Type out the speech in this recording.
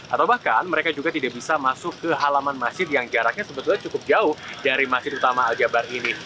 atau bahkan mereka juga tidak bisa masuk ke halaman masjid yang jaraknya sebetulnya cukup jauh dari masjid utama al jabar ini